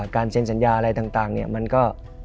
เซ็นสัญญาอะไรต่างมันก็